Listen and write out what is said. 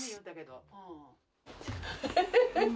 フフフフ！